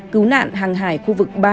cứu nạn hàng hải khu vực ba